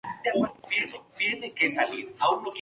San Roque de Montpellier es considerado el patrono popular.